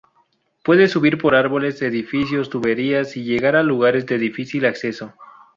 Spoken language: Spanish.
Puede subir por árboles, edificios, tuberías y llegar a lugares de difícil acceso.